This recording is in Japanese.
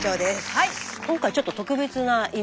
はい。